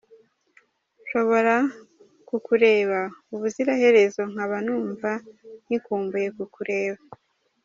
Nshobora ku kureba ubuzira herezo nkaba numva nkikumbuye kukureba.